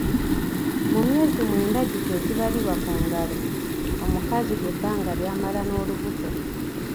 Mu myezi mwenda giti egibalibwa ku ngalo mukazi lye bbanga ly'amala n'olubuto.